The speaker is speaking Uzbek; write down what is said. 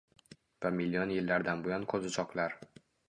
Va million yillardan buyon qo‘zichoqlar